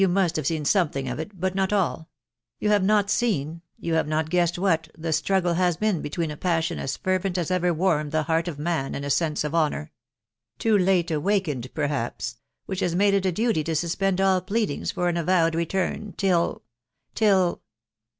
must .have seen something sf H, but not all •.. you hove not wen, i^ Vss* ^k^a^M! THE WIDOW BABNABY. 4ffiT what the struggle has been between a passion as fervent as ever warmed the heart of man and a sense of honour .... too late awakened perhaps .... which has made it a duty to suspend all pleadings for an avowed return till .... till